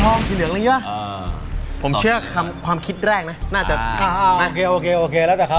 โอเคแล้วแต่เขา